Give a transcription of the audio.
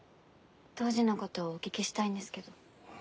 当時のことをお聞きしたいんですけど。